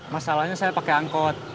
masalahnya saya pakai angkot